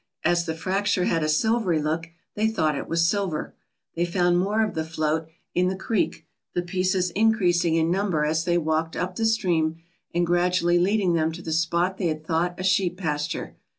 As the fracture had a silvery look they thought it was silver. They found more of the float in the 291 ALASKA OUR NORTHERN WONDERLAND creek, the pieces increasing in number as they walked up the stream and gradually leading them to the spot they had thought a sheep pasture.